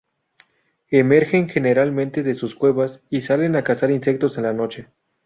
Emergen generalmente de sus cuevas y salen a cazar insectos en la noche.